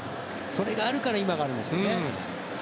それがあるから今があるんですよね。